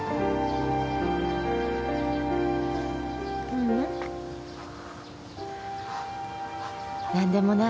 ううん。何でもない。